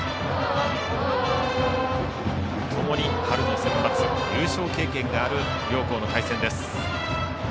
ともに、春のセンバツ優勝経験がある両校の対戦。